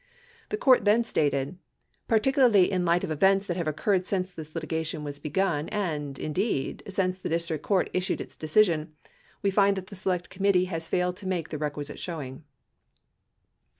12 The court then stated: Particularly in light of events that have occurred since this litigation was begun and, indeed, since the district court issued its decision, we find that the Select Committee has failed to make the requisite showing.